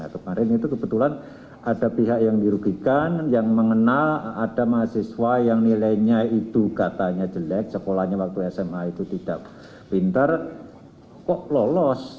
kemarin itu kebetulan ada pihak yang dirugikan yang mengenal ada mahasiswa yang nilainya itu katanya jelek sekolahnya waktu sma itu tidak pinter kok lolos